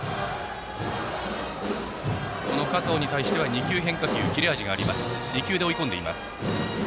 加藤に対しては２球変化球切れ味があります。